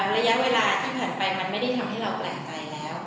ระยะเวลาที่ผ่านไปมันไม่ได้ทำให้เราแปลกใจแล้ว